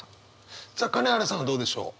さあ金原さんはどうでしょう？